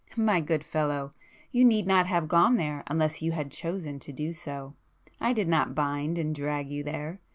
My good fellow, you need not have gone there unless you had chosen to do so! I did not bind and drag you there!